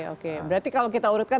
oke berarti kalau kita urutkan